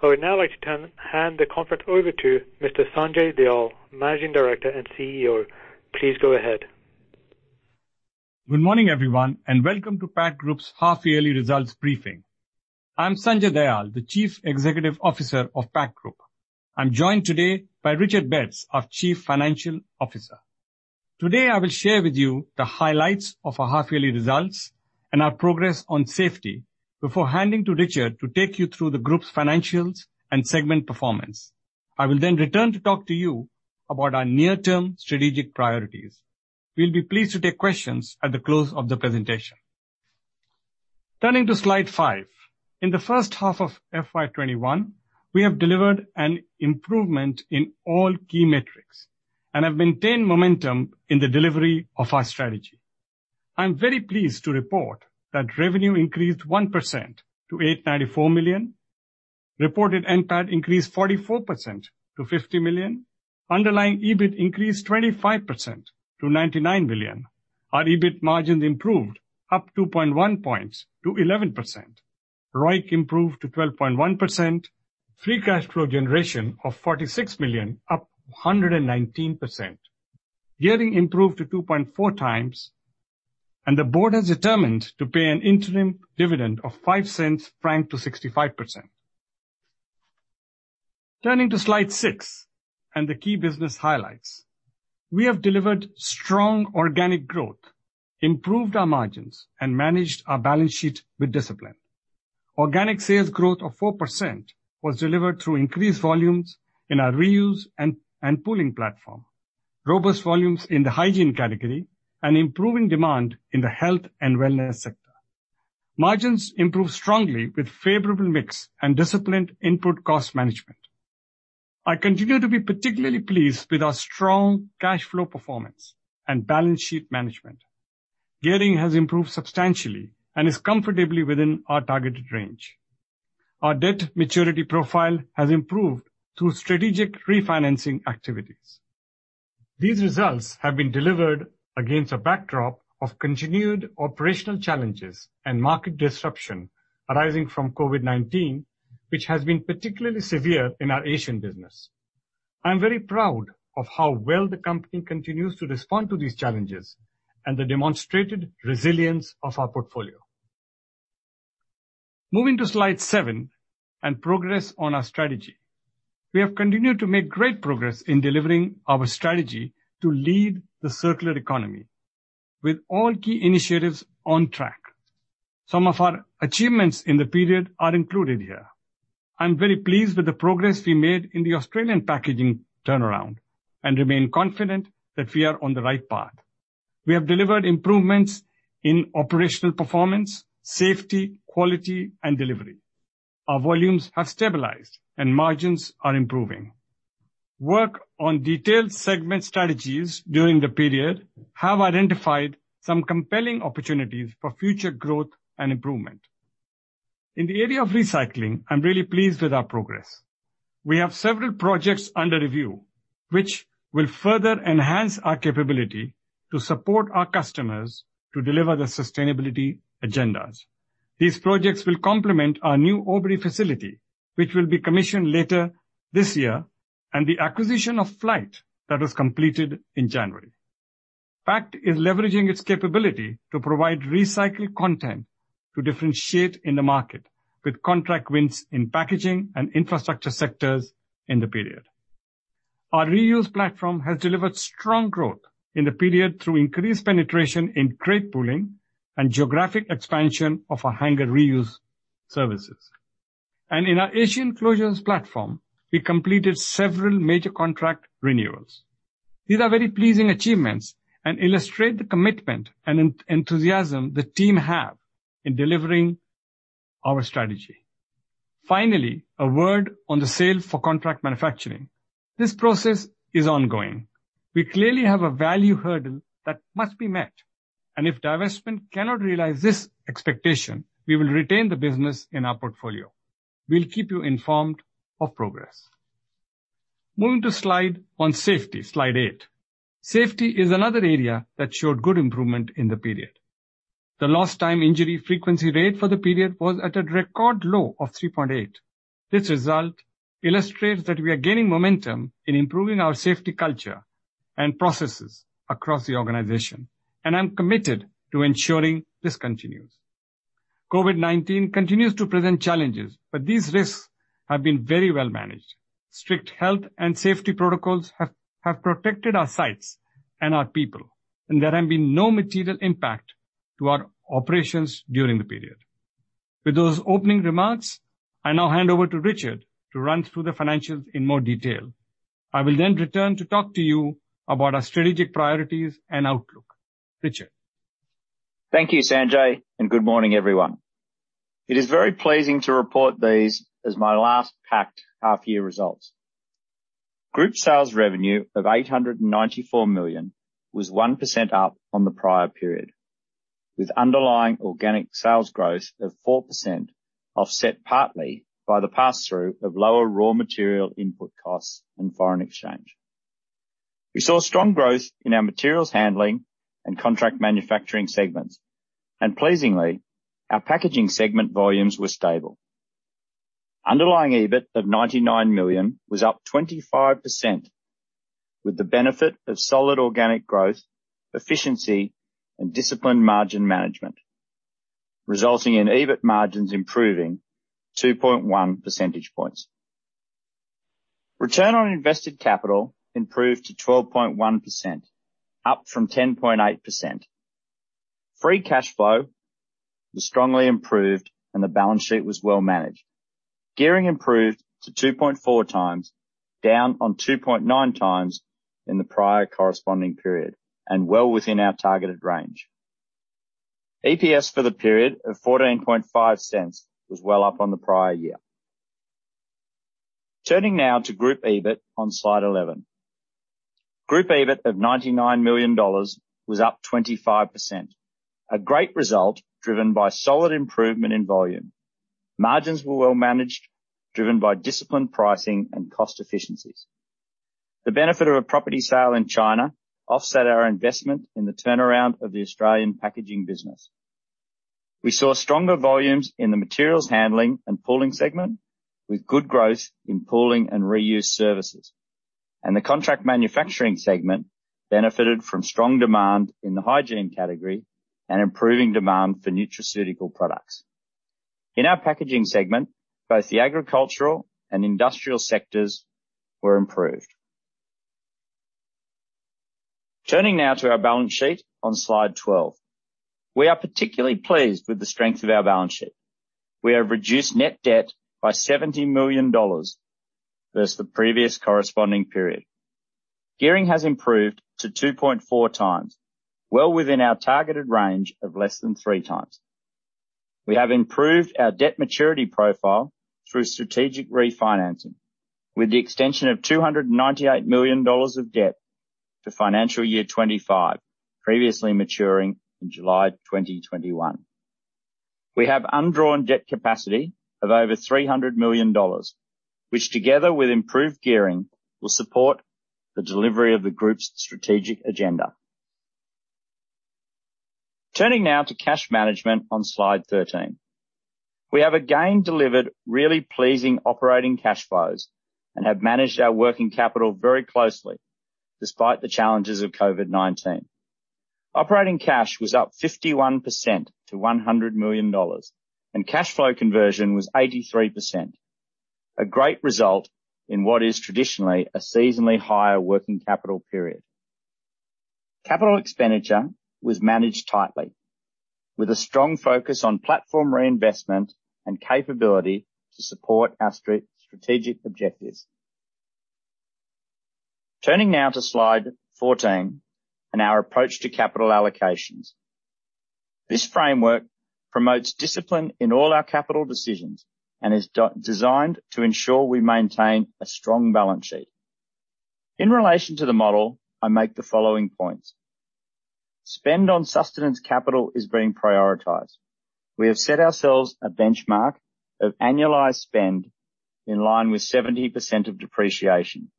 I would now like to hand the conference over to Mr. Sanjay Dayal, Managing Director and CEO. Please go ahead. Good morning, everyone, Welcome to Pact Group's Half-Yearly Results Briefing. I'm Sanjay Dayal, the Chief Executive Officer of Pact Group. I'm joined today by Richard Betts, our Chief Financial Officer. Today, I will share with you the highlights of our half-yearly results and our progress on safety before handing to Richard to take you through the group's financials and segment performance. I will then return to talk to you about our near-term strategic priorities. We'll be pleased to take questions at the close of the presentation. Turning to slide five. In the first half of FY 2021, we have delivered an improvement in all key metrics and have maintained momentum in the delivery of our strategy. I am very pleased to report that revenue increased 1% to 894 million. Reported NPAT increased 44% to 50 million. Underlying EBIT increased 25% to 99 million. Our EBIT margins improved up 2.1 points to 11%. ROIC improved to 12.1%. Free cash flow generation of 46 million, up 119%. Gearing improved to 2.4x. The board has determined to pay an interim dividend of 0.05 franked to 65%. Turning to slide six and the key business highlights. We have delivered strong organic growth, improved our margins, and managed our balance sheet with discipline. Organic sales growth of 4% was delivered through increased volumes in our reuse and pooling platform, robust volumes in the hygiene category, and improving demand in the health and wellness sector. Margins improved strongly with favorable mix and disciplined input cost management. I continue to be particularly pleased with our strong cash flow performance and balance sheet management. Gearing has improved substantially and is comfortably within our targeted range. Our debt maturity profile has improved through strategic refinancing activities. These results have been delivered against a backdrop of continued operational challenges and market disruption arising from COVID-19, which has been particularly severe in our Asian business. I am very proud of how well the company continues to respond to these challenges and the demonstrated resilience of our portfolio. Moving to slide seven and progress on our strategy. We have continued to make great progress in delivering our strategy to lead the circular economy with all key initiatives on track. Some of our achievements in the period are included here. I'm very pleased with the progress we made in the Australian packaging turnaround and remain confident that we are on the right path. We have delivered improvements in operational performance, safety, quality, and delivery. Our volumes have stabilized, and margins are improving. Work on detailed segment strategies during the period have identified some compelling opportunities for future growth and improvement. In the area of recycling, I'm really pleased with our progress. We have several projects under review, which will further enhance our capability to support our customers to deliver their sustainability agendas. These projects will complement our new Albury facility, which will be commissioned later this year, and the acquisition of Flight Plastics that was completed in January. Pact is leveraging its capability to provide recycled content to differentiate in the market with contract wins in packaging and infrastructure sectors in the period. Our reuse platform has delivered strong growth in the period through increased penetration in crate pooling and geographic expansion of our hanger reuse services. In our Asian closures platform, we completed several major contract renewals. These are very pleasing achievements and illustrate the commitment and enthusiasm the team have in delivering our strategy. Finally, a word on the sale for contract manufacturing. This process is ongoing. We clearly have a value hurdle that must be met, and if divestment cannot realize this expectation, we will retain the business in our portfolio. We'll keep you informed of progress. Moving to slide on safety, slide eight. Safety is another area that showed good improvement in the period. The lost time injury frequency rate for the period was at a record low of 3.8. This result illustrates that we are gaining momentum in improving our safety culture and processes across the organization, and I'm committed to ensuring this continues. COVID-19 continues to present challenges, but these risks have been very well managed. Strict health and safety protocols have protected our sites and our people, and there have been no material impact to our operations during the period. With those opening remarks, I now hand over to Richard to run through the financials in more detail. I will then return to talk to you about our strategic priorities and outlook. Richard? Thank you, Sanjay, and good morning, everyone. It is very pleasing to report these as my last Pact half year results. Group sales revenue of 894 million was 1% up on the prior period, with underlying organic sales growth of 4% offset partly by the pass-through of lower raw material input costs and foreign exchange. We saw strong growth in our materials handling and contract manufacturing segments, and pleasingly, our packaging segment volumes were stable. Underlying EBIT of 99 million was up 25%, with the benefit of solid organic growth, efficiency, and disciplined margin management, resulting in EBIT margins improving 2.1 percentage points. Return on invested capital improved to 12.1%, up from 10.8%. Free cash flow was strongly improved and the balance sheet was well managed. Gearing improved to 2.4x, down on 2.9x in the prior corresponding period, and well within our targeted range. EPS for the period of 0.145 was well up on the prior year. Turning now to group EBIT on slide 11. Group EBIT of 99 million dollars was up 25%, a great result driven by solid improvement in volume. Margins were well managed, driven by disciplined pricing and cost efficiencies. The benefit of a property sale in China offset our investment in the turnaround of the Australian packaging business. We saw stronger volumes in the materials handling and pooling segment, with good growth in pooling and reuse services, and the contract manufacturing segment benefited from strong demand in the hygiene category and improving demand for nutraceutical products. In our packaging segment, both the agricultural and industrial sectors were improved. Turning now to our balance sheet on slide 12. We are particularly pleased with the strength of our balance sheet. We have reduced net debt by 70 million dollars versus the previous corresponding period. Gearing has improved to 2.4x, well within our targeted range of less than three times. We have improved our debt maturity profile through strategic refinancing with the extension of 298 million dollars of debt to FY 2025, previously maturing in July 2021. We have undrawn debt capacity of over 300 million dollars, which together with improved gearing, will support the delivery of the group's strategic agenda. Turning now to cash management on Slide 13. We have again delivered really pleasing operating cash flows and have managed our working capital very closely, despite the challenges of COVID-19. Operating cash was up 51% to 100 million dollars, and cash flow conversion was 83%, a great result in what is traditionally a seasonally higher working capital period. Capital expenditure was managed tightly with a strong focus on platform reinvestment and capability to support our strategic objectives. Turning now to slide 14 and our approach to capital allocations. This framework promotes discipline in all our capital decisions and is designed to ensure we maintain a strong balance sheet. In relation to the model, I make the following points. Spend on sustenance capital is being prioritized. We have set ourselves a benchmark of annualized spend in line with 70% of depreciation.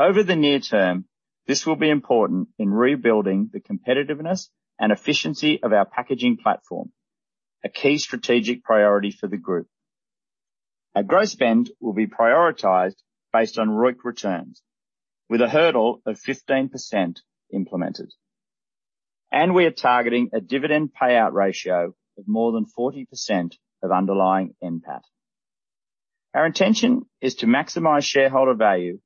Over the near term, this will be important in rebuilding the competitiveness and efficiency of our packaging platform, a key strategic priority for the group. Our growth spend will be prioritized based on ROIC returns with a hurdle of 15% implemented. We are targeting a dividend payout ratio of more than 40% of underlying NPAT. Our intention is to maximize shareholder value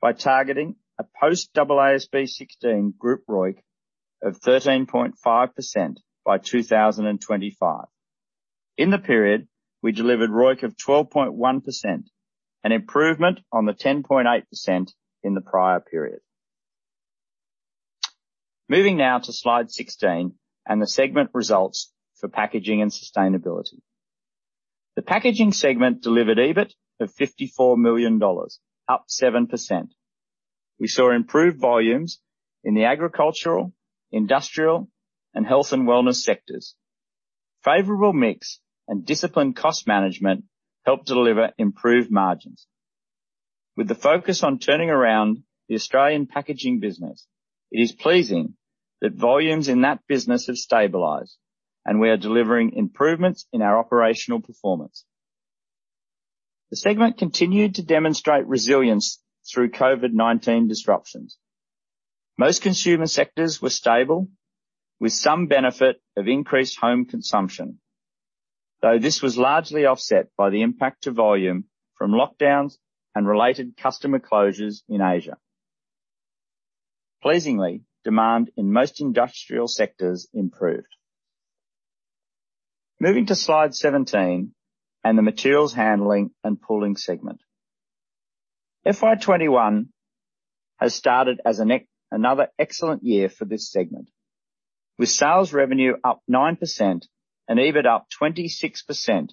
by targeting a post-AASB 16 group ROIC of 13.5% by 2025. In the period, we delivered ROIC of 12.1%, an improvement on the 10.8% in the prior period. Moving now to slide 16 and the segment results for packaging and sustainability. The packaging segment delivered EBIT of 54 million dollars, up 7%. We saw improved volumes in the agricultural, industrial, and health and wellness sectors. Favorable mix and disciplined cost management helped deliver improved margins. With the focus on turning around the Australian packaging business, it is pleasing that volumes in that business have stabilized and we are delivering improvements in our operational performance. The segment continued to demonstrate resilience through COVID-19 disruptions. Most consumer sectors were stable, with some benefit of increased home consumption. This was largely offset by the impact to volume from lockdowns and related customer closures in Asia. Pleasingly, demand in most industrial sectors improved. Moving to slide 17 and the materials handling and pooling segment. FY 2021 has started as another excellent year for this segment, with sales revenue up 9% and EBIT up 26%,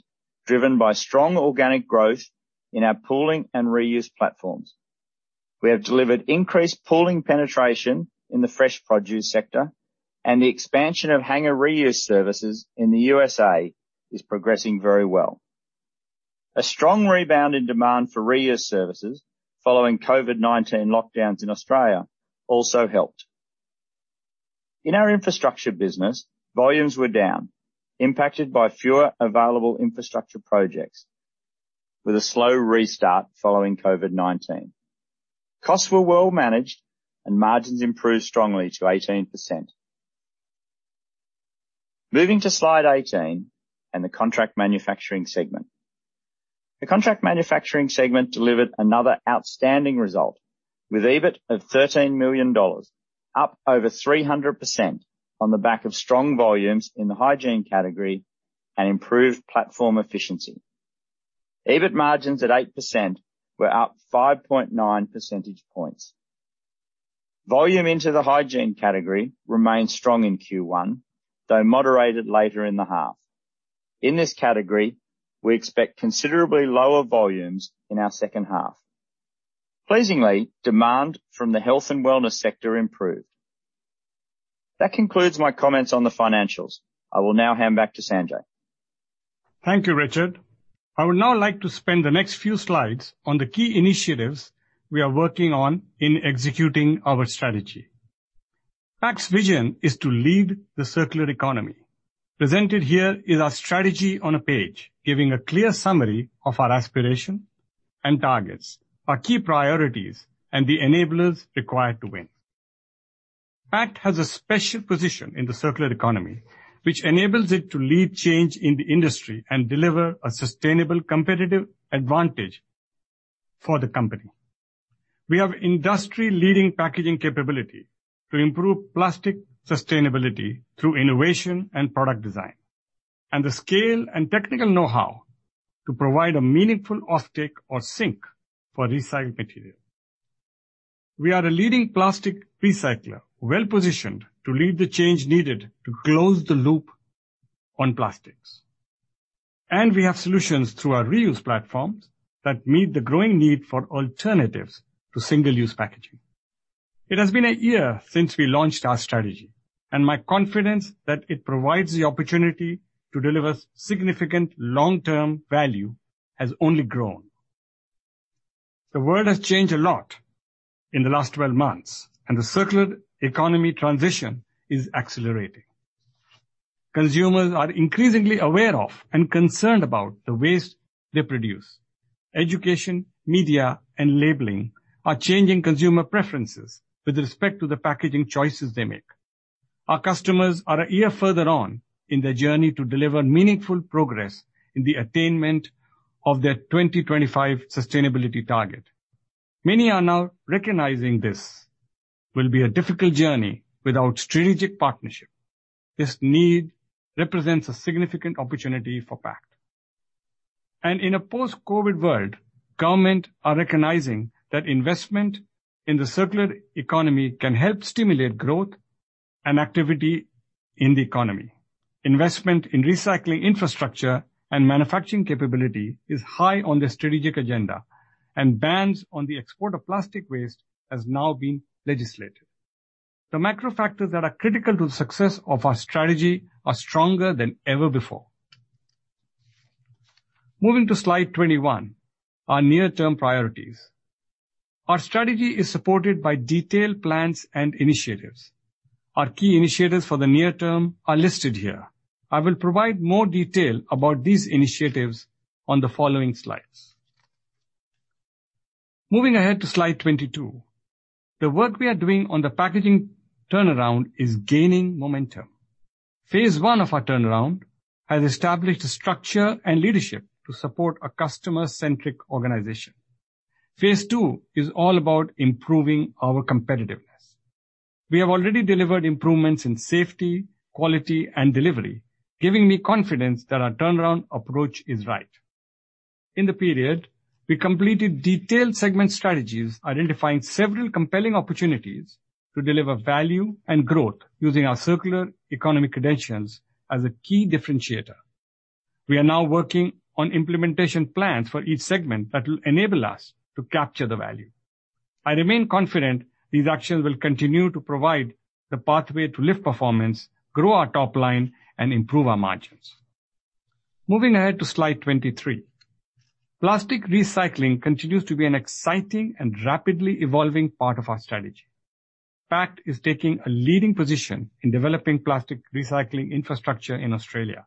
driven by strong organic growth in our pooling and reuse platforms. We have delivered increased pooling penetration in the fresh produce sector and the expansion of hanger reuse services in the U.S.A. is progressing very well. A strong rebound in demand for reuse services following COVID-19 lockdowns in Australia also helped. In our infrastructure business, volumes were down, impacted by fewer available infrastructure projects, with a slow restart following COVID-19. Costs were well managed and margins improved strongly to 18%. Moving to Slide 18 and the contract manufacturing segment. The contract manufacturing segment delivered another outstanding result, with EBIT of 13 million dollars, up over 300% on the back of strong volumes in the hygiene category and improved platform efficiency. EBIT margins at 8% were up 5.9 percentage points. Volume into the hygiene category remained strong in Q1, though moderated later in the half. In this category, we expect considerably lower volumes in our second half. Pleasingly, demand from the health and wellness sector improved. That concludes my comments on the financials. I will now hand back to Sanjay. Thank you, Richard. I would now like to spend the next few slides on the key initiatives we are working on in executing our strategy. Pact's vision is to lead the circular economy. Presented here is our strategy on a page, giving a clear summary of our aspiration and targets, our key priorities, and the enablers required to win. Pact has a special position in the circular economy, which enables it to lead change in the industry and deliver a sustainable competitive advantage for the company. We have industry-leading packaging capability to improve plastic sustainability through innovation and product design, and the scale and technical know-how to provide a meaningful offtake or sink for recycled material. We are a leading plastic recycler, well-positioned to lead the change needed to close the loop on plastics, and we have solutions through our reuse platforms that meet the growing need for alternatives to single-use packaging. It has been a year since we launched our strategy, and my confidence that it provides the opportunity to deliver significant long-term value has only grown. The world has changed a lot in the last 12 months, and the circular economy transition is accelerating. Consumers are increasingly aware of and concerned about the waste they produce. Education, media, and labeling are changing consumer preferences with respect to the packaging choices they make. Our customers are a year further on in their journey to deliver meaningful progress in the attainment of their 2025 sustainability target. Many are now recognizing this will be a difficult journey without strategic partnership. This need represents a significant opportunity for Pact. In a post-COVID world, governments are recognizing that investment in the circular economy can help stimulate growth and activity in the economy. Investment in recycling infrastructure and manufacturing capability is high on the strategic agenda, bans on the export of plastic waste has now been legislated. The macro factors that are critical to the success of our strategy are stronger than ever before. Moving to Slide 21, our near-term priorities. Our strategy is supported by detailed plans and initiatives. Our key initiatives for the near term are listed here. I will provide more detail about these initiatives on the following slides. Moving ahead to Slide 22. The work we are doing on the packaging turnaround is gaining momentum. Phase I of our turnaround has established a structure and leadership to support a customer-centric organization. Phase 2 is all about improving our competitiveness. We have already delivered improvements in safety, quality, and delivery, giving me confidence that our turnaround approach is right. In the period, we completed detailed segment strategies identifying several compelling opportunities to deliver value and growth using our circular economy credentials as a key differentiator. We are now working on implementation plans for each segment that will enable us to capture the value. I remain confident these actions will continue to provide the pathway to lift performance, grow our top line, and improve our margins. Moving ahead to Slide 23. Plastic recycling continues to be an exciting and rapidly evolving part of our strategy. Pact is taking a leading position in developing plastic recycling infrastructure in Australia.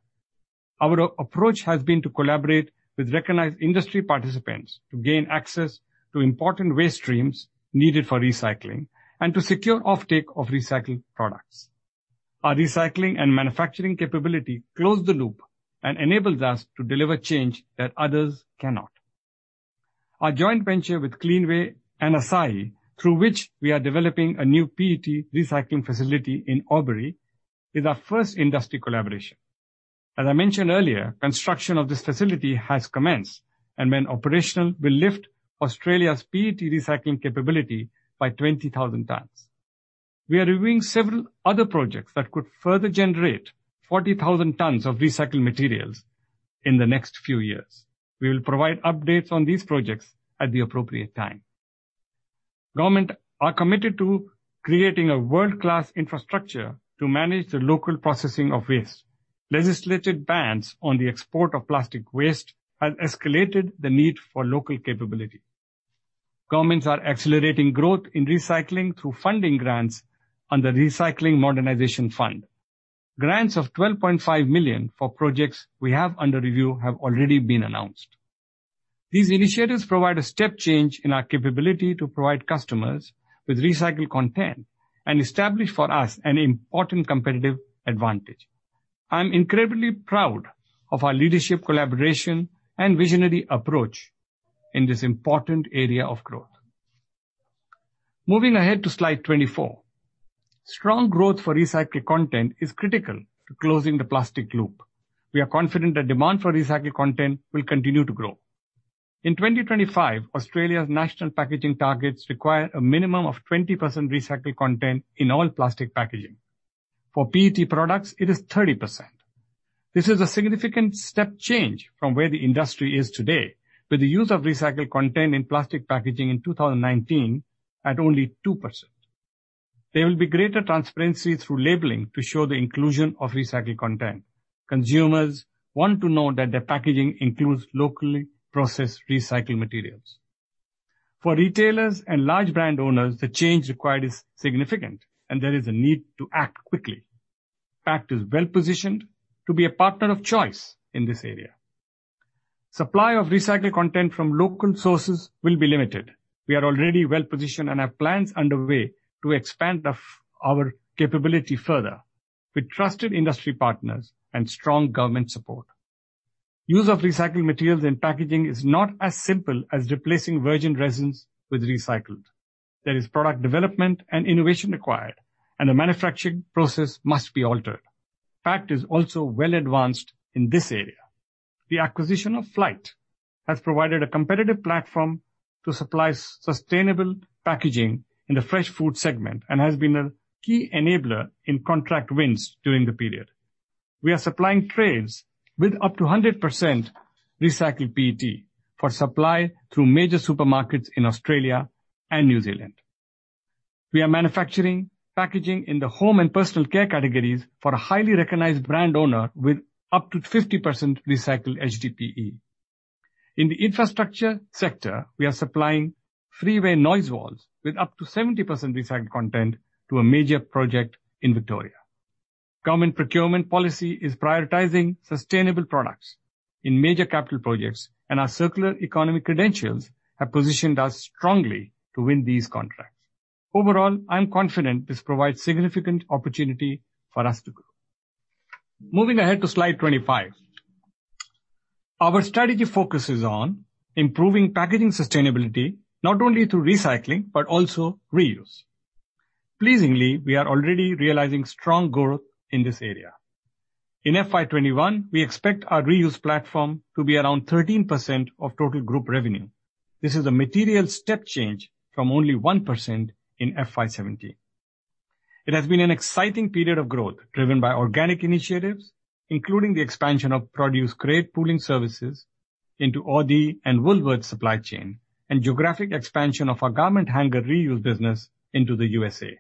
Our approach has been to collaborate with recognized industry participants to gain access to important waste streams needed for recycling and to secure offtake of recycled products. Our recycling and manufacturing capability close the loop and enables us to deliver change that others cannot. Our joint venture with Cleanaway and Asahi, through which we are developing a new PET recycling facility in Albury, is our first industry collaboration. As I mentioned earlier, construction of this facility has commenced and when operational, will lift Australia's PET recycling capability by 20,000 tons. We are reviewing several other projects that could further generate 40,000 tons of recycled materials in the next few years. We will provide updates on these projects at the appropriate time. Government are committed to creating a world-class infrastructure to manage the local processing of waste. Legislative bans on the export of plastic waste has escalated the need for local capability. Governments are accelerating growth in recycling through funding grants under Recycling Modernisation Fund. Grants of 12.5 million for projects we have under review have already been announced. These initiatives provide a step change in our capability to provide customers with recycled content and establish for us an important competitive advantage. I'm incredibly proud of our leadership, collaboration, and visionary approach in this important area of growth. Moving ahead to slide 24. Strong growth for recycled content is critical to closing the plastic loop. We are confident that demand for recycled content will continue to grow. In 2025, Australia's national packaging targets require a minimum of 20% recycled content in all plastic packaging. For PET products, it is 30%. This is a significant step change from where the industry is today, with the use of recycled content in plastic packaging in 2019 at only 2%. There will be greater transparency through labeling to show the inclusion of recycled content. Consumers want to know that their packaging includes locally processed recycled materials. For retailers and large brand owners, the change required is significant, and there is a need to act quickly. Pact is well-positioned to be a partner of choice in this area. Supply of recycled content from local sources will be limited. We are already well-positioned and have plans underway to expand our capability further with trusted industry partners and strong government support. Use of recycled materials in packaging is not as simple as replacing virgin resins with recycled. There is product development and innovation required, and the manufacturing process must be altered. Pact is also well advanced in this area. The acquisition of Flight has provided a competitive platform to supply sustainable packaging in the fresh food segment and has been a key enabler in contract wins during the period. We are supplying trays with up to 100% recycled PET for supply through major supermarkets in Australia and New Zealand. We are manufacturing packaging in the home and personal care categories for a highly recognized brand owner with up to 50% recycled HDPE. In the infrastructure sector, we are supplying freeway noise walls with up to 70% recycled content to a major project in Victoria. Government procurement policy is prioritizing sustainable products in major capital projects, and our circular economy credentials have positioned us strongly to win these contracts. Overall, I am confident this provides significant opportunity for us to grow. Moving ahead to slide 25. Our strategy focuses on improving packaging sustainability, not only through recycling, but also reuse. Pleasingly, we are already realizing strong growth in this area. In FY 2021, we expect our reuse platform to be around 13% of total group revenue. This is a material step change from only 1% in FY 2017. It has been an exciting period of growth driven by organic initiatives, including the expansion of produce crate pooling services into ALDI and Woolworths' supply chain, and geographic expansion of our garment hanger reuse business into the U.S.A.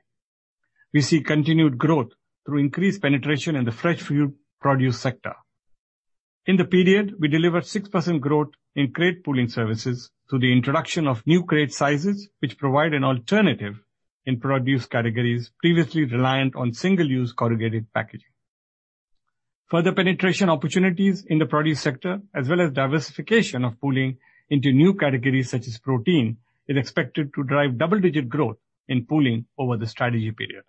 We see continued growth through increased penetration in the fresh food produce sector. In the period, we delivered 6% growth in crate pooling services through the introduction of new crate sizes, which provide an alternative in produce categories previously reliant on single-use corrugated packaging. Further penetration opportunities in the produce sector, as well as diversification of pooling into new categories such as protein, is expected to drive double-digit growth in pooling over the strategy period.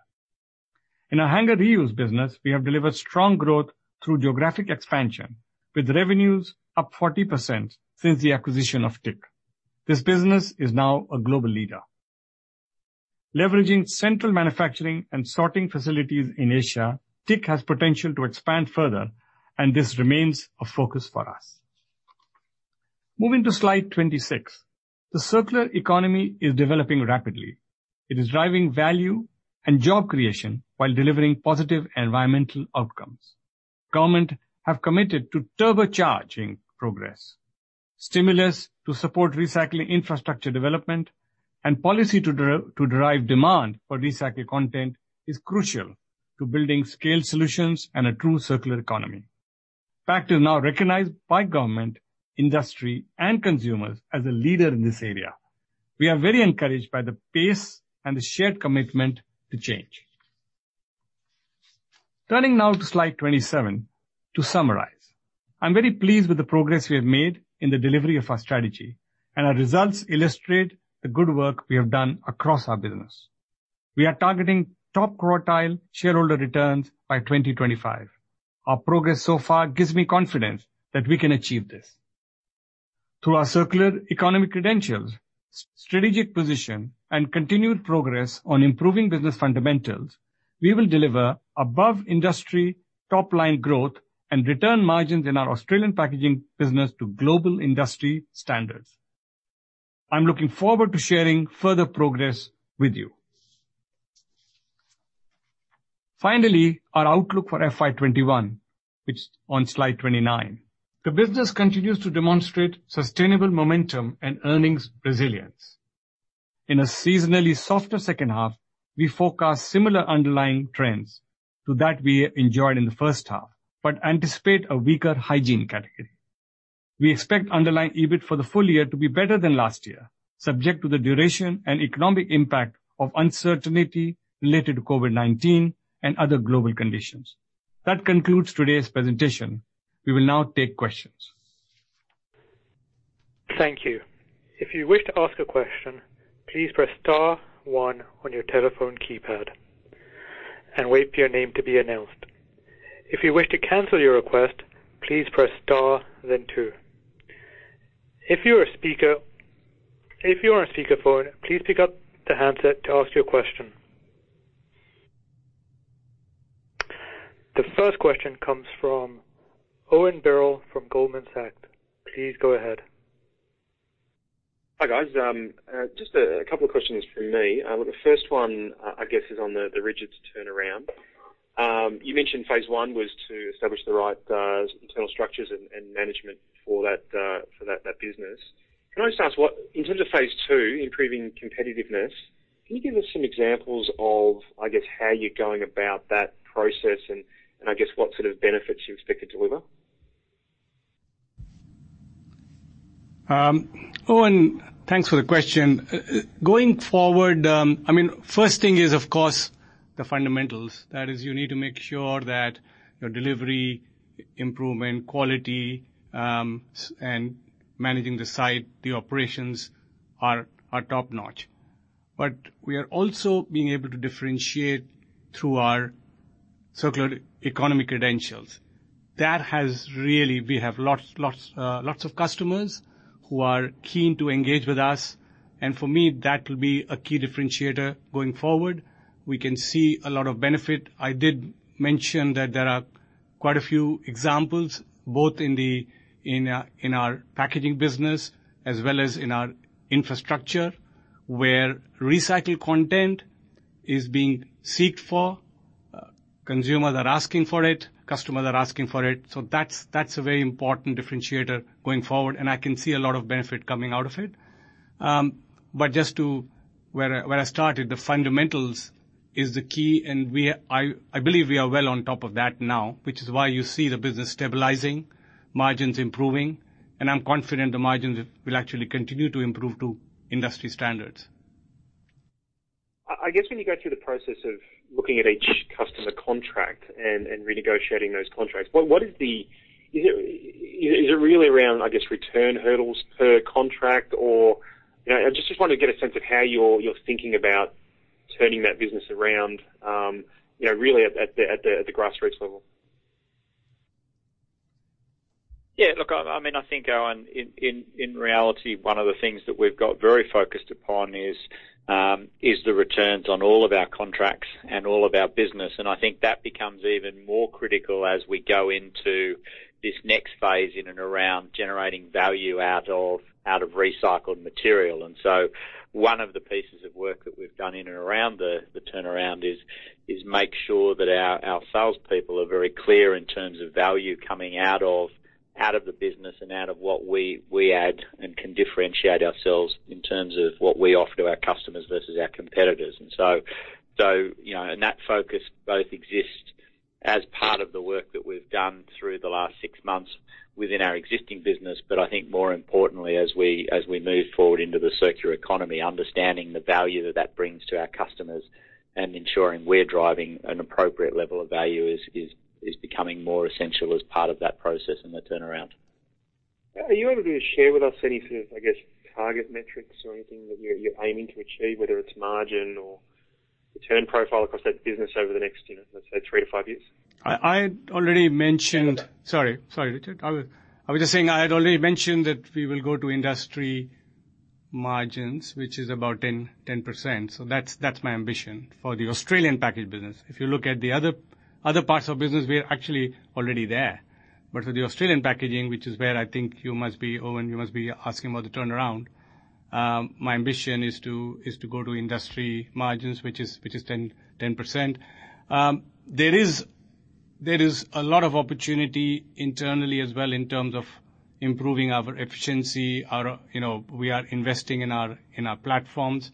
In our hanger reuse business, we have delivered strong growth through geographic expansion, with revenues up 40% since the acquisition of TIC. This business is now a global leader. Leveraging central manufacturing and sorting facilities in Asia, TIC has potential to expand further, and this remains a focus for us. Moving to slide 26. The circular economy is developing rapidly. It is driving value and job creation while delivering positive environmental outcomes. Government have committed to turbocharging progress. Stimulus to support recycling infrastructure development and policy to derive demand for recycled content is crucial to building scaled solutions and a true circular economy. Pact is now recognized by government, industry, and consumers as a leader in this area. We are very encouraged by the pace and the shared commitment to change. Turning now to slide 27. To summarize, I'm very pleased with the progress we have made in the delivery of our strategy, and our results illustrate the good work we have done across our business. We are targeting top quartile shareholder returns by 2025. Our progress so far gives me confidence that we can achieve this. Through our circular economy credentials, strategic position, and continued progress on improving business fundamentals, we will deliver above-industry top-line growth and return margins in our Australian packaging business to global industry standards. I'm looking forward to sharing further progress with you. Finally, our outlook for FY 2021, which is on slide 29. The business continues to demonstrate sustainable momentum and earnings resilience. In a seasonally softer second half, we forecast similar underlying trends to that we enjoyed in the first half, but anticipate a weaker hygiene category. We expect underlying EBIT for the full year to be better than last year, subject to the duration and economic impact of uncertainty related to COVID-19 and other global conditions. That concludes today's presentation. We will now take questions. Thank you. If you wish to ask a question, please press star one on your telephone keypad and wait for your name to be announced. If you wish to cancel your request, please press star, then two. If you are on speakerphone, please pick up the handset to ask your question. The first question comes from Owen Birrell from Goldman Sachs. Please go ahead. Hi, guys. Just a couple of questions from me. The first one, I guess, is on the Rigids turnaround. You mentioned phase one was to establish the right internal structures and management for that business. Can I just ask, in terms of phase two, improving competitiveness, can you give us some examples of, I guess, how you're going about that process and, I guess, what sort of benefits you expect to deliver? Owen, thanks for the question. First thing is, of course, the fundamentals. That is, you need to make sure that your delivery, improvement, quality, and managing the site, the operations are top-notch. We are also being able to differentiate through our circular economy credentials. We have lots of customers who are keen to engage with us, and for me, that will be a key differentiator going forward. We can see a lot of benefit. I did mention that there are quite a few examples, both in our packaging business as well as in our infrastructure, where recycled content is being sought for. Consumers are asking for it, customers are asking for it. That's a very important differentiator going forward, and I can see a lot of benefit coming out of it. Just to where I started, the fundamentals is the key, and I believe we are well on top of that now, which is why you see the business stabilizing, margins improving, and I'm confident the margins will actually continue to improve to industry standards. I guess when you go through the process of looking at each customer contract and renegotiating those contracts, is it really around, I guess, return hurdles per contract? Or I just want to get a sense of how you're thinking about turning that business around, really at the grassroots level. Look, I think, Owen Birrell, in reality, one of the things that we've got very focused upon is the returns on all of our contracts and all of our business. I think that becomes even more critical as we go into this next phase in and around generating value out of recycled material. One of the pieces of work that we've done in and around the turnaround is make sure that our salespeople are very clear in terms of value coming out of the business and out of what we add and can differentiate ourselves in terms of what we offer to our customers versus our competitors. That focus both exists as part of the work that we've done through the last six months within our existing business. I think more importantly, as we move forward into the circular economy, understanding the value that that brings to our customers and ensuring we're driving an appropriate level of value is becoming more essential as part of that process and the turnaround. Are you able to share with us any sort of, I guess, target metrics or anything that you're aiming to achieve, whether it's margin or return profile across that business over the next, let's say, three to five years? I had already mentioned. Sorry about that. Sorry, Richard. I was just saying I had already mentioned that we will go to industry margins, which is about 10%. That's my ambition for the Australian package business. If you look at the other parts of business, we're actually already there. For the Australian packaging, which is where I think you must be, Owen, you must be asking about the turnaround. My ambition is to go to industry margins, which is 10%. There is a lot of opportunity internally as well in terms of improving our efficiency. We are investing in our platforms.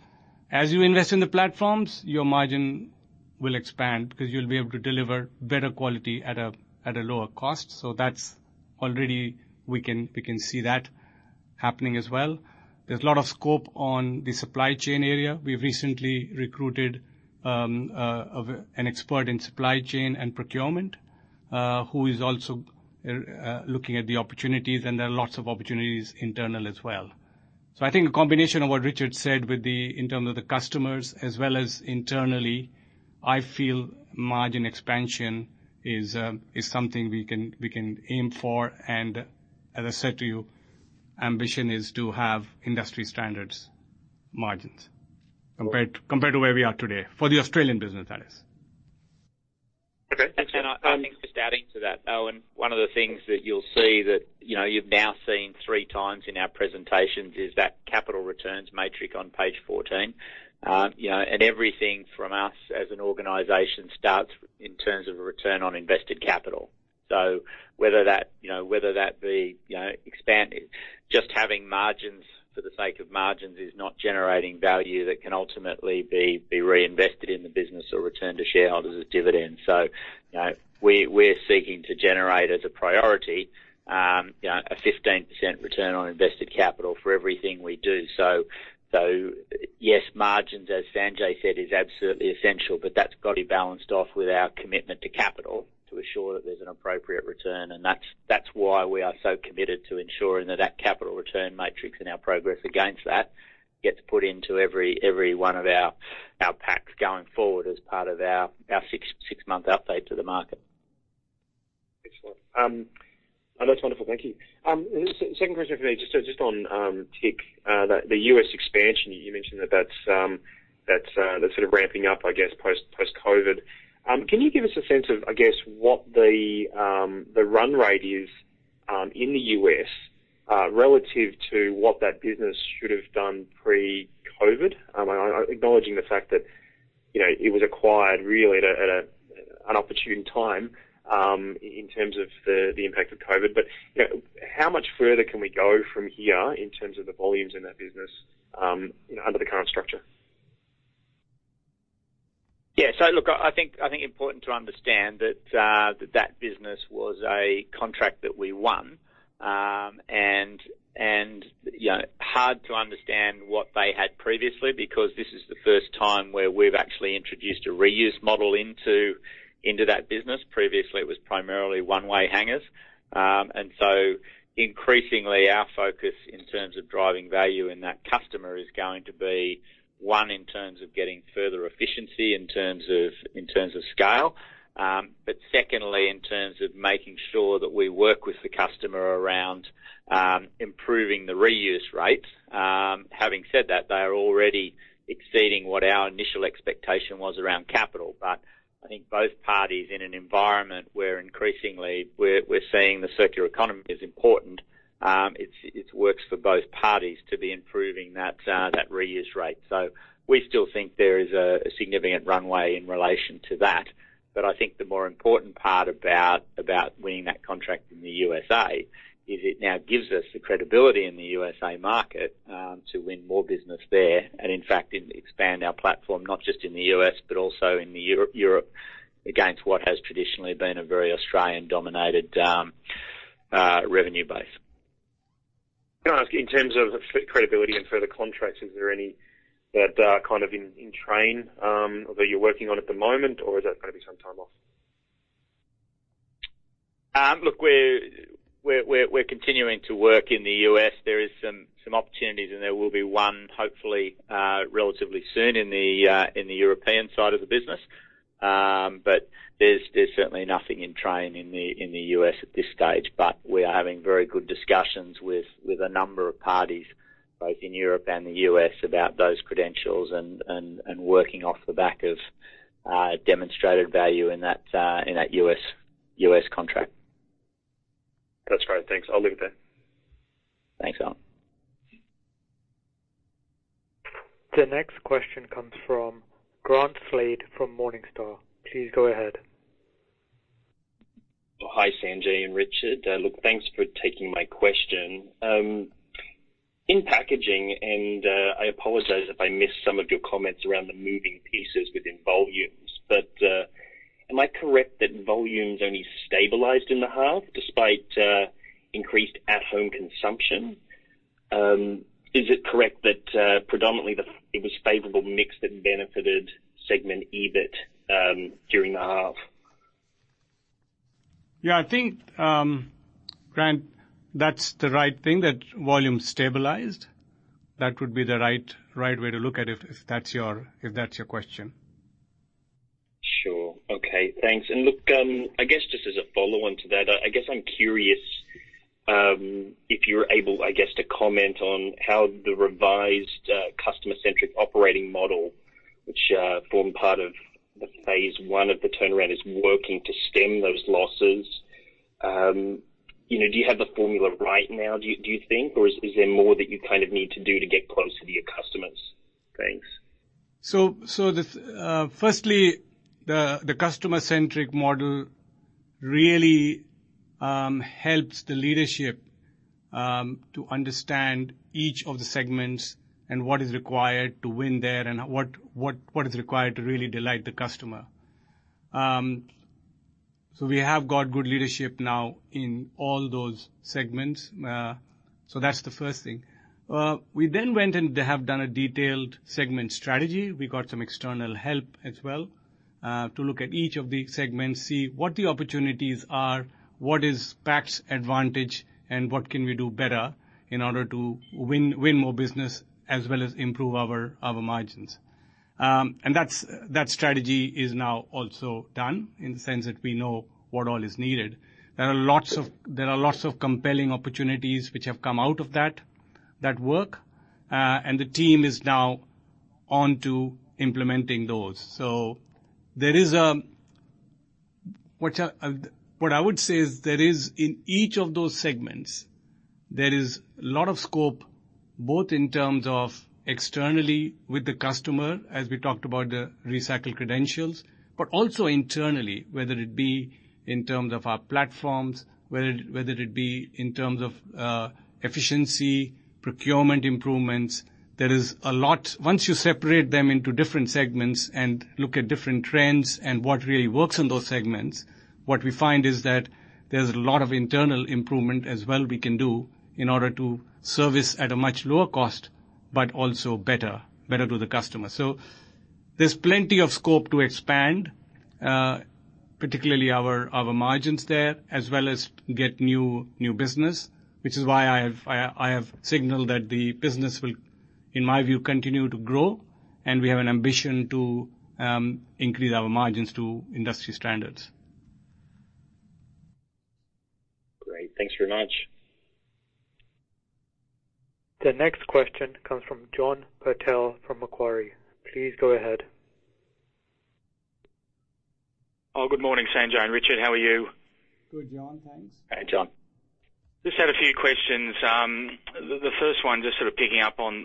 As you invest in the platforms, your margin will expand because you'll be able to deliver better quality at a lower cost. That's already we can see that happening as well. There's a lot of scope on the supply chain area. We've recently recruited an expert in supply chain and procurement who is also looking at the opportunities, and there are lots of opportunities internal as well. I think a combination of what Richard said in terms of the customers as well as internally, I feel margin expansion is something we can aim for. As I said to you, ambition is to have industry standard margins compared to where we are today for the Australian business, that is. Okay, thanks, Sanjay Dayal. Adding to that, Owen, one of the things that you'll see that you've now seen three times in our presentations is that capital returns matrix on page 14. Everything from us as an organization starts in terms of a return on invested capital. Whether that be, just having margins for the sake of margins is not generating value that can ultimately be reinvested in the business or returned to shareholders as dividends. We're seeking to generate as a priority, a 15% return on invested capital for everything we do. Yes, margins, as Sanjay said, is absolutely essential, but that's got to be balanced off with our commitment to capital to assure that there's an appropriate return. That's why we are so committed to ensuring that that capital return matrix and our progress against that gets put into every one of our packs going forward as part of our six-month update to the market. Excellent. That's wonderful. Thank you. Second question for me, just on TIC, the U.S. expansion, you mentioned that's sort of ramping up, I guess, post-COVID. Can you give us a sense of, I guess, what the run rate is, in the U.S., relative to what that business should have done pre-COVID? Acknowledging the fact that it was acquired really at an inopportune time, in terms of the impact of COVID. How much further can we go from here in terms of the volumes in that business under the current structure? Look, I think important to understand that business was a contract that we won. Hard to understand what they had previously, because this is the first time where we've actually introduced a reuse model into that business. Previously, it was primarily one-way hangers. Increasingly, our focus in terms of driving value in that customer is going to be one, in terms of getting further efficiency in terms of scale. Secondly, in terms of making sure that we work with the customer around improving the reuse rates. Having said that, they are already exceeding what our initial expectation was around capital. I think both parties in an environment where increasingly we're seeing the circular economy is important, it works for both parties to be improving that reuse rate. We still think there is a significant runway in relation to that. I think the more important part about winning that contract in the USA is it now gives us the credibility in the USA market to win more business there. In fact, expand our platform, not just in the U.S., but also in Europe against what has traditionally been a very Australian dominated revenue base. Can I ask, in terms of credibility and further contracts, is there any that are kind of in train that you're working on at the moment, or is that going to be some time off? We're continuing to work in the U.S. There is some opportunities, there will be one hopefully, relatively soon in the European side of the business. There's certainly nothing in train in the U.S. at this stage. We are having very good discussions with a number of parties both in Europe and the U.S. about those credentials and working off the back of demonstrated value in that U.S. contract. That's great. Thanks. I'll leave it there. Thanks, Owen. The next question comes from Grant Slade from Morningstar. Please go ahead. Hi, Sanjay and Richard. Look, thanks for taking my question. In packaging, I apologize if I missed some of your comments around the moving pieces within volumes, am I correct that volumes only stabilized in the half despite increased at-home consumption? Is it correct that predominantly it was favorable mix that benefited segment EBIT during the half? Yeah, I think, Grant, that's the right thing, that volume stabilized. That would be the right way to look at it if that's your question. Sure. Okay. Thanks. Look, I guess just as a follow-on to that, I guess I'm curious if you're able, I guess, to comment on how the revised customer-centric operating model, which formed part of the phase one of the turnaround, is working to stem those losses. Do you have the formula right now, do you think, or is there more that you kind of need to do to get closer to your customers? Thanks. Firstly, the customer-centric model really helps the leadership to understand each of the segments and what is required to win there and what is required to really delight the customer. We have got good leadership now in all those segments. That's the first thing. We then went and have done a detailed segment strategy. We got some external help as well, to look at each of the segments, see what the opportunities are, what is Pact's advantage, and what can we do better in order to win more business as well as improve our margins. That strategy is now also done in the sense that we know what all is needed. There are lots of compelling opportunities which have come out of that work. The team is now on to implementing those. What I would say is that in each of those segments, there is a lot of scope, both in terms of externally with the customer, as we talked about the recycled credentials, but also internally, whether it be in terms of our platforms, whether it be in terms of efficiency, procurement improvements. There is a lot. Once you separate them into different segments and look at different trends and what really works in those segments, what we find is that there's a lot of internal improvement as well we can do in order to service at a much lower cost, but also better to the customer. There's plenty of scope to expand, particularly our margins there, as well as get new business, which is why I have signaled that the business will, in my view, continue to grow, and we have an ambition to increase our margins to industry standards. Great. Thanks very much. The next question comes from John Purtell from Macquarie. Please go ahead. Oh, good morning, Sanjay and Richard. How are you? Good, John. Thanks. Hey, John. Just had a few questions. The first one, just sort of picking up on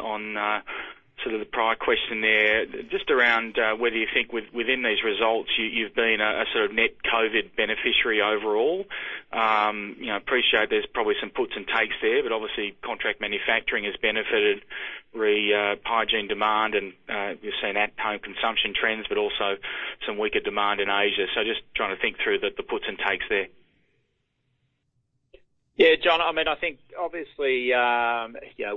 the prior question there, just around whether you think within these results, you've been a sort of net COVID beneficiary overall. I appreciate there's probably some puts and takes there, but obviously contract manufacturing has benefited re hygiene demand, and you're seeing at-home consumption trends, but also some weaker demand in Asia. Just trying to think through the puts and takes there. Yeah, John, I think obviously,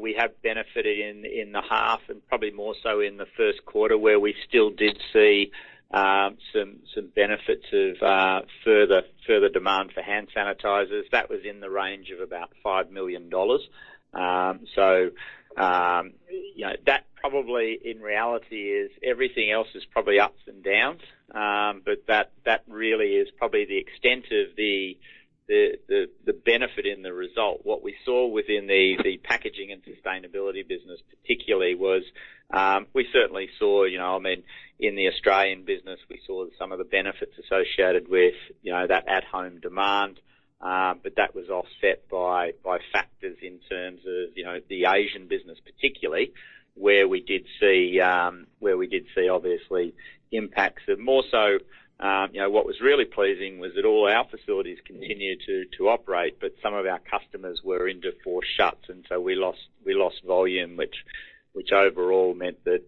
we have benefited in the half and probably more so in the first quarter, where we still did see some benefits of further demand for hand sanitizers. That was in the range of about 5 million dollars. That probably in reality is everything else is probably ups and downs. That really is probably the extent of the benefit in the result. What we saw within the Packaging and Sustainability business particularly was, we certainly saw in the Australian business, we saw some of the benefits associated with that at-home demand. That was offset by factors in terms of the Asian business particularly, where we did see obviously impacts. More so, what was really pleasing was that all our facilities continued to operate, but some of our customers were in enforced shuts, so we lost volume, which overall meant that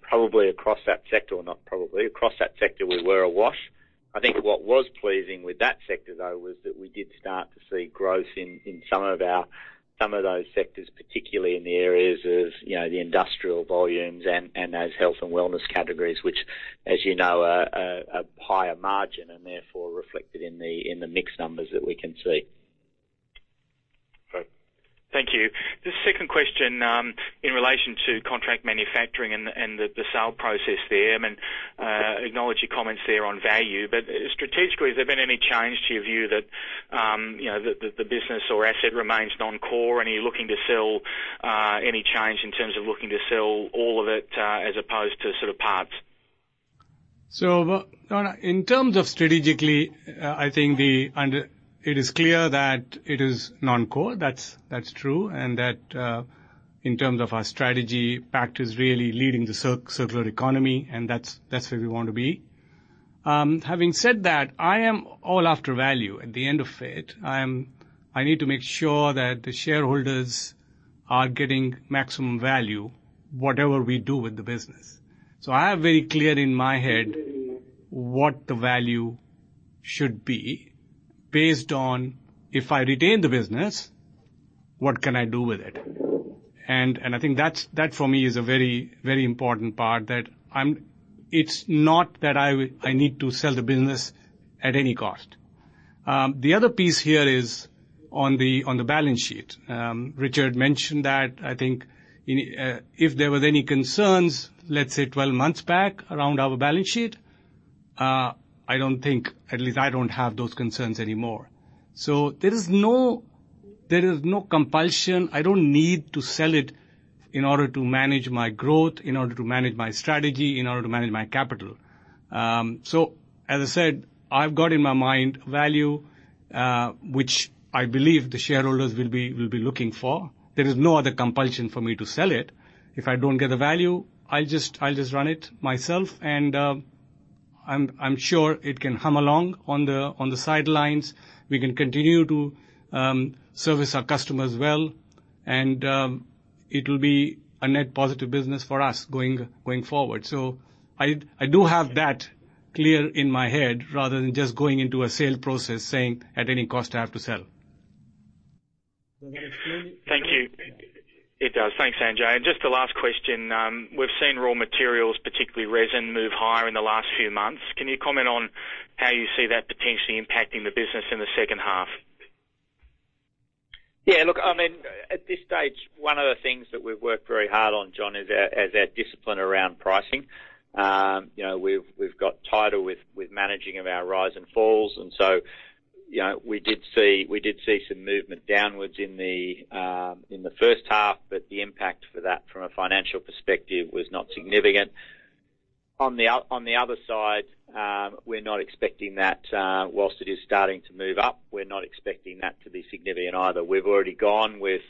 probably across that sector, or not probably, across that sector, we were awash. What was pleasing with that sector, though, was that we did start to see growth in some of those sectors, particularly in the areas of the industrial volumes and those health and wellness categories, which, as you know, are higher margin and therefore reflected in the mixed numbers that we can see. Great. Thank you. Just a second question, in relation to contract manufacturing and the sale process there, and acknowledge your comments there on value. Strategically, has there been any change to your view that the business or asset remains non-core? Are you looking to sell? Any change in terms of looking to sell all of it, as opposed to parts? John, in terms of strategically, I think it is clear that it is non-core. That is true, in terms of our strategy, Pact is really leading the circular economy, and that is where we want to be. Having said that, I am all after value at the end of it. I need to make sure that the shareholders are getting maximum value, whatever we do with the business. I have very clear in my head what the value should be based on, if I retain the business, what can I do with it? I think that for me is a very important part that it is not that I need to sell the business at any cost. The other piece here is on the balance sheet. Richard mentioned that, I think, if there was any concerns, let's say 12 months back around our balance sheet, I don't think, at least I don't have those concerns anymore. There is no compulsion. I don't need to sell it in order to manage my growth, in order to manage my strategy, in order to manage my capital. As I said, I've got in my mind value, which I believe the shareholders will be looking for. There is no other compulsion for me to sell it. If I don't get the value, I'll just run it myself, and I'm sure it can hum along on the sidelines. We can continue to service our customers well, and it will be a net positive business for us going forward. I do have that clear in my head rather than just going into a sale process saying, "At any cost, I have to sell. Does that exclude? Thank you. It does. Thanks, Sanjay. Just a last question. We've seen raw materials, particularly resin, move higher in the last few months. Can you comment on how you see that potentially impacting the business in the second half? Look, at this stage, one of the things that we've worked very hard on, John, is our discipline around pricing. We've got tighter with managing of our rise and falls. We did see some movement downwards in the first half, but the impact for that from a financial perspective was not significant. On the other side, whilst it is starting to move up, we're not expecting that to be significant either. We've already gone with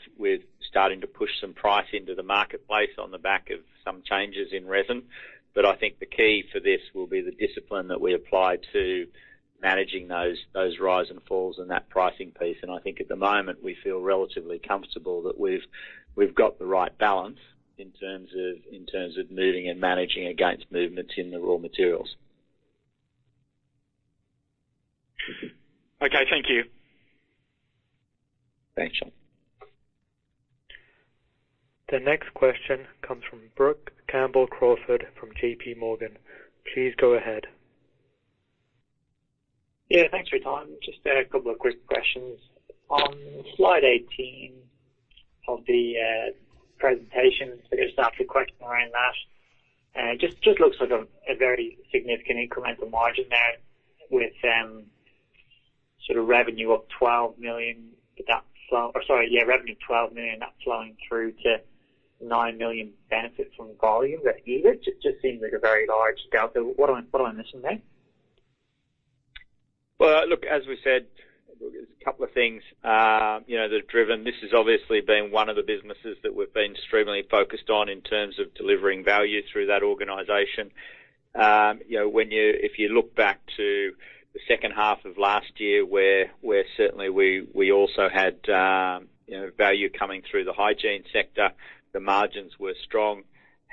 starting to push some price into the marketplace on the back of some changes in resin. I think the key for this will be the discipline that we apply to managing those rise and falls and that pricing piece. I think at the moment, we feel relatively comfortable that we've got the right balance in terms of moving and managing against movements in the raw materials. Okay. Thank you. Thanks. The next question comes from Brook Campbell-Crawford from JPMorgan. Please go ahead. Yeah, thanks for your time. Just a couple of quick questions. On slide 18 of the presentation, I guess I have a question around that. Just looks like a very significant incremental margin there with sort of revenue up 12 million. Sorry, yeah, revenue 12 million, that flowing through to 5.9 million benefit from volume that year. Just seems like a very large scale. What am I missing there? Well, look, as we said, there's a couple of things that have driven. This has obviously been one of the businesses that we've been extremely focused on in terms of delivering value through that organization. If you look back to the second half of last year, where certainly we also had value coming through the hygiene sector, the margins were strong.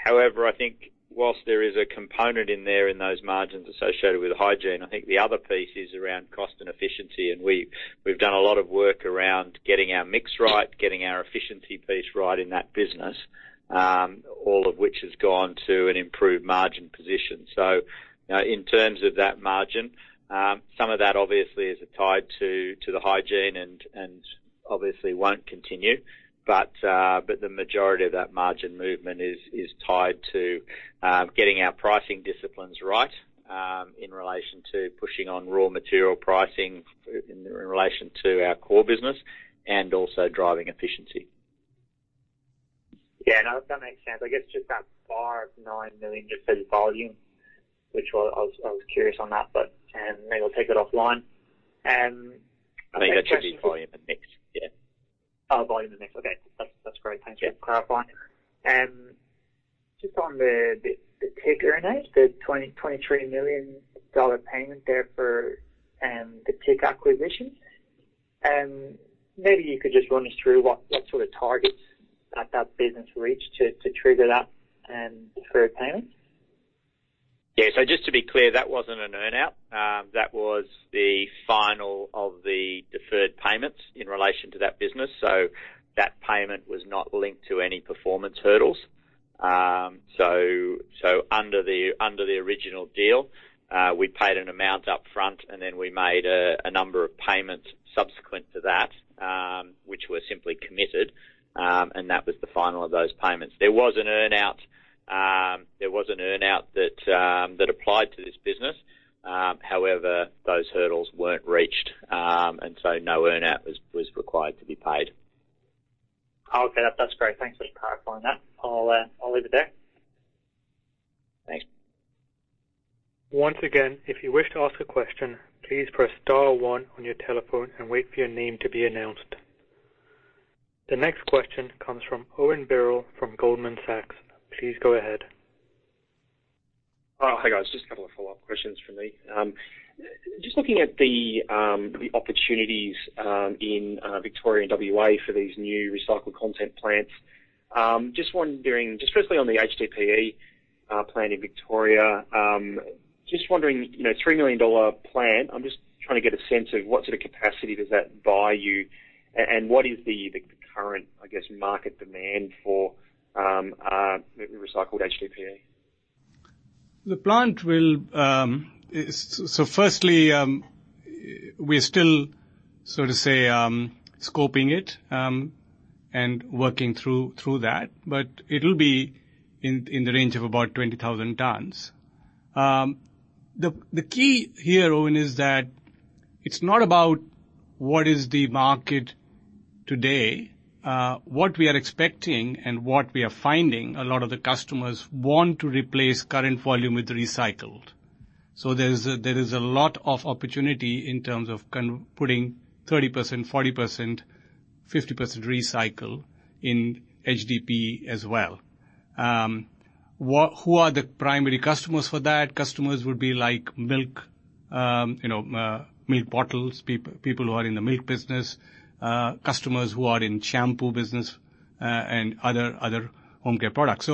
I think whilst there is a component in there in those margins associated with hygiene, I think the other piece is around cost and efficiency, and we've done a lot of work around getting our mix right, getting our efficiency piece right in that business, all of which has gone to an improved margin position. In terms of that margin, some of that obviously is tied to the hygiene and obviously won't continue. The majority of that margin movement is tied to getting our pricing disciplines right in relation to pushing on raw material pricing in relation to our core business and also driving efficiency. No, that makes sense. I guess just that 5.9 million just as volume, which I was curious on that. Maybe we'll take it offline. I think that should be volume and mix. Yeah. Volume and mix. Okay. That's great. Thanks for clarifying. On the TIC earn out, the 23 million dollar payment there for the TIC acquisition. Maybe you could run us through what sort of targets that business reached to trigger that deferred payment. Yeah. Just to be clear, that wasn't an earn-out. That was the final of the deferred payments in relation to that business. That payment was not linked to any performance hurdles. Under the original deal, we paid an amount up front, and then we made a number of payments subsequent to that, which were simply committed, and that was the final of those payments. There was an earn-out that applied to this business. However, those hurdles weren't reached, and so no earn-out was required to be paid. Okay. That's great. Thanks for clarifying that. I'll leave it there. Thanks. Once again, if you wish to ask a question, please press star one on your telephone and wait for your name to be announced. The next question comes from Owen Birrell from Goldman Sachs. Please go ahead. Hi, guys. Just a couple of follow-up questions from me. Just looking at the opportunities in Victoria and WA for these new recycled content plants. Just wondering, just firstly on the HDPE plant in Victoria, just wondering, 3 million dollar plant, I'm just trying to get a sense of what sort of capacity does that buy you and what is the current, I guess, market demand for recycled HDPE? The plant will firstly, we're still so to say scoping it, and working through that, but it'll be in the range of about 20,000 tons. The key here, Owen, is that it's not about what is the market today. What we are expecting and what we are finding, a lot of the customers want to replace current volume with recycled. There is a lot of opportunity in terms of putting 30%, 40%, 50% recycle in HDPE as well. Who are the primary customers for that? Customers would be like milk bottles, people who are in the milk business, customers who are in shampoo business, and other home care products.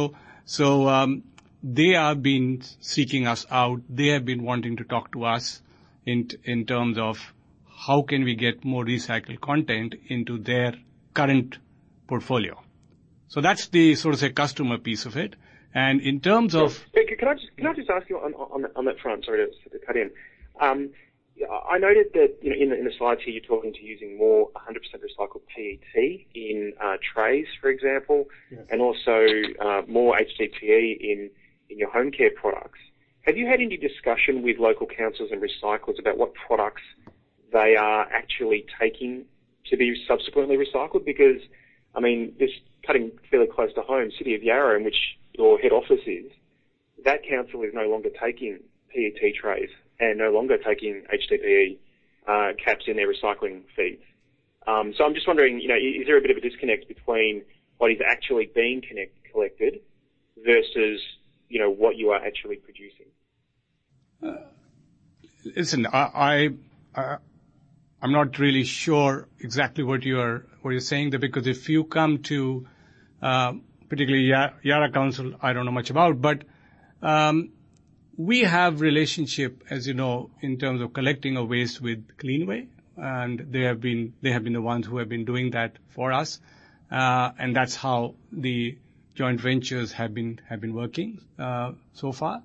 They have been seeking us out. They have been wanting to talk to us in terms of how can we get more recycled content into their current portfolio. That's the, sort of say, customer piece of it. And in terms of- Can I just ask you on that front? Sorry to cut in. I noted that in the slides here, you're talking to using more 100% recycled PET in trays, for example. Yes Also more HDPE in your home care products. Have you had any discussion with local councils and recyclers about what products they are actually taking to be subsequently recycled? This cutting fairly close to home, City of Yarra, in which your head office is, that council is no longer taking PET trays and no longer taking HDPE caps in their recycling schemes. I'm just wondering, is there a bit of a disconnect between what is actually being collected versus what you are actually producing? Listen, I'm not really sure exactly what you're saying there, because if you come to, particularly Yarra Council, I don't know much about. We have relationship, as you know, in terms of collecting of waste with Cleanaway, and they have been the ones who have been doing that for us. That's how the joint ventures have been working so far.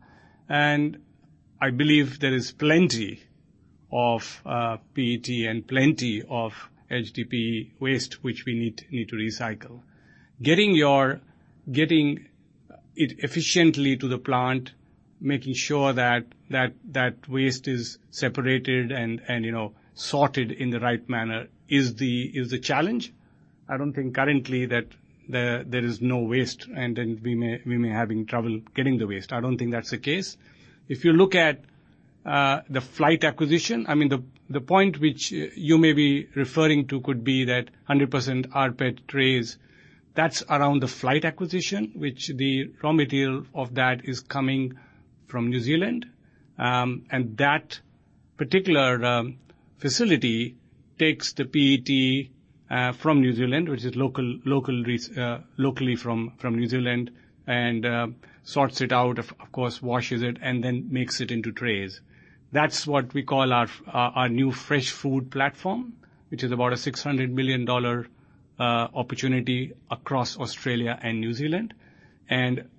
I believe there is plenty of PET and plenty of HDPE waste which we need to recycle. Getting it efficiently to the plant, making sure that waste is separated and sorted in the right manner is the challenge. I don't think currently that there is no waste and then we may having trouble getting the waste. I don't think that's the case. If you look at the Flight acquisition, the point which you may be referring to could be that 100% rPET trays, that's around the Flight acquisition, which the raw material of that is coming from New Zealand. That particular facility takes the PET from New Zealand, which is locally from New Zealand, and sorts it out, of course, washes it, and then makes it into trays. That's what we call our new fresh food platform, which is about a 600 million dollar opportunity across Australia and New Zealand.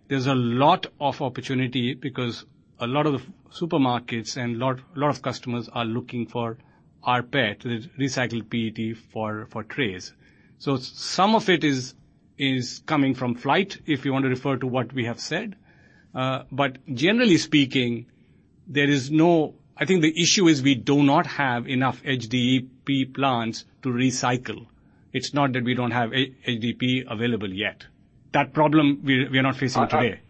There's a lot of opportunity because a lot of supermarkets and lot of customers are looking for rPET, recycled PET for trays. Some of it is coming from Flight, if you want to refer to what we have said. Generally speaking, I think the issue is we do not have enough HDPE plants to recycle. It's not that we don't have HDPE available yet. That problem we're not facing today.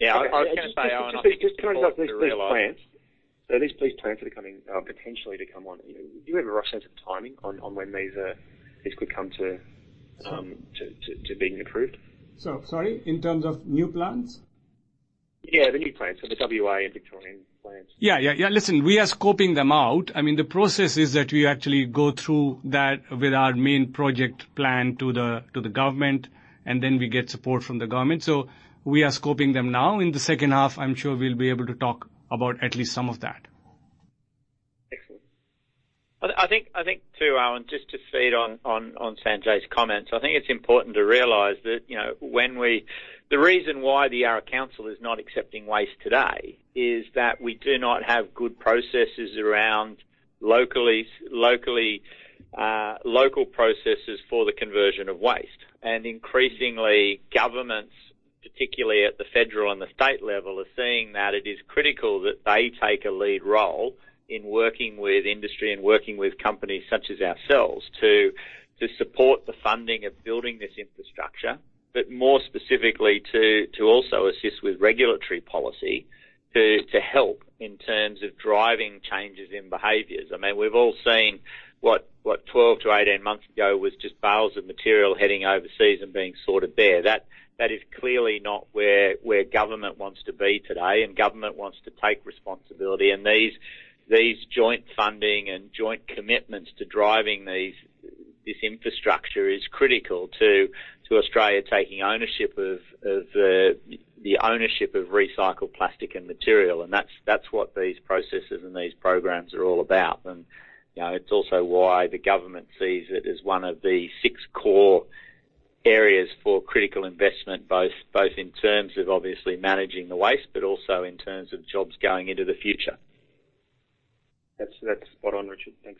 Yeah. I can't say, Owen. Just turning up these plants. These plants are potentially to come on. Do you have a rough sense of timing on when these could come to being approved? Sorry, in terms of new plants? Yeah, the new plants. The WA and Victorian plants. Listen, we are scoping them out. The process is that we actually go through that with our main project plan to the government, and then we get support from the government. We are scoping them now. In the second half, I'm sure we'll be able to talk about at least some of that. Excellent. I think, too, Owen, just to feed on Sanjay's comments, I think it's important to realize that the reason why the Yarra Council is not accepting waste today is that we do not have good local processes for the conversion of waste. Increasingly, governments, particularly at the federal and the state level, are seeing that it is critical that they take a lead role in working with industry and working with companies such as ourselves to support the funding of building this infrastructure. More specifically, to also assist with regulatory policy to help in terms of driving changes in behaviors. We've all seen what 12-18 months ago was just bales of material heading overseas and being sorted there. That is clearly not where government wants to be today. Government wants to take responsibility. These joint funding and joint commitments to driving this infrastructure is critical to Australia taking the ownership of recycled plastic and material. That's what these processes and these programs are all about. It's also why the government sees it as one of the six core areas for critical investment, both in terms of obviously managing the waste, but also in terms of jobs going into the future. That's spot on, Richard. Thanks.